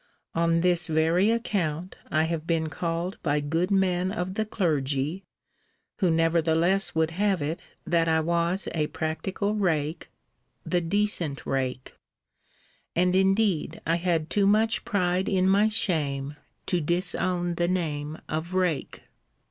On this very account I have been called by good men of the clergy, who nevertheless would have it that I was a practical rake, the decent rake: and indeed I had too much pride in my shame, to disown the name of rake.